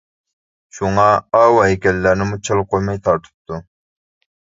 شۇڭا ئاۋۇ ھەيكەللەرنىمۇ چالا قويماي تارتىپتۇ.